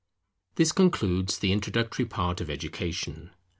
This concludes the introductory part of Education.